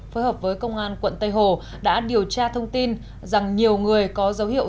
phối hợp với công an quận tây hồ đã điều tra thông tin rằng nhiều người có dấu hiệu